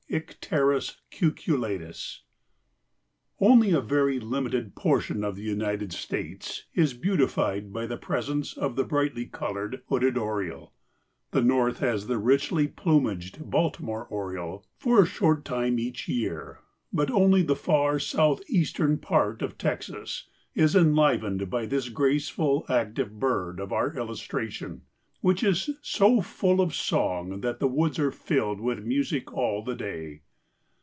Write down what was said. (Icterus cucullatus.) Only a very limited portion of the United States is beautified by the presence of the bright colored Hooded Oriole. The North has the richly plumaged Baltimore oriole for a short time each year, but only the far southeastern part of Texas is enlivened by this graceful, active bird of our illustration, which is "so full of song that the woods are filled with music all the day."